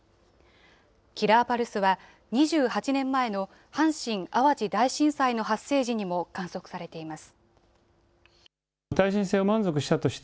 キラーパルスは、２８年前の阪神・淡路大震災の発生時にも観測されています。